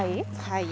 はい。